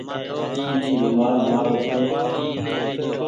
اي رومآل مآرو ڇي۔